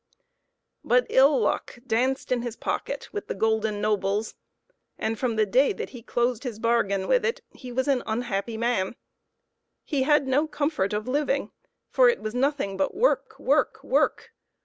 But ill luck danced in his pocket with the golden nobles, and from the day that he closed his bargain with it he was an unhappy man. He had no comfort of living, for it was nothing but work, work, work.